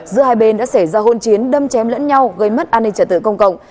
giữa hai bên đã xảy ra hôn chiến đâm chém lẫn nhau gây mất an ninh trả tự công cộng